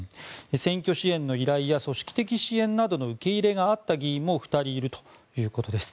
選挙支援の依頼や組織的支援などの受け入れがあった議員も２人いるということです。